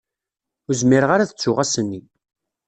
Ur zmireɣ ara ad ttuɣ ass-nni.